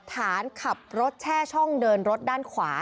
ฐานขับรถแช่ช่องเดินรถด้านขวา